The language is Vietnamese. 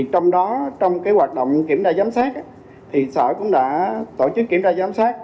trong đó trong hoạt động kiểm tra giám sát sở cũng đã tổ chức kiểm tra giám sát